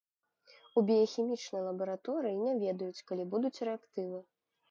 У біяхімічнай лабараторыі не ведаюць, калі будуць рэактывы.